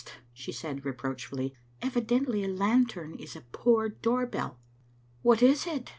she said, reproachfully. "Evidently a lantern is a poor door bell." "What is it?"